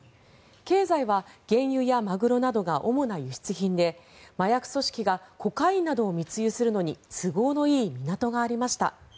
経済は、原油やマグロなどが主な輸出品で麻薬組織がコカインなどを密輸するのに都合のいい港がありました。